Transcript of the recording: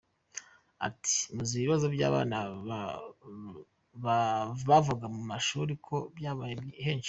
Ati “Muzi ibibazo by’abana bavaga mu mashuri ko byabaye henshi.